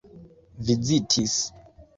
vizitis